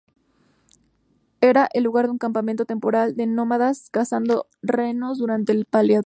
Era el lugar de un campamento temporal de nómadas cazando renos durante el Paleolítico.